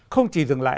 không chỉ dừng lại